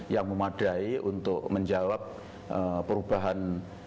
yang memadai untuk menjawab perubahan